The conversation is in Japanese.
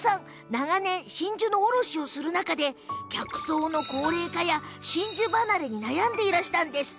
長年、真珠の卸をする中で客層の高齢化や真珠離れに悩んでいたんです。